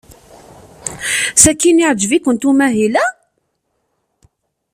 Sakkin yeɛjeb-ikent umahil-a?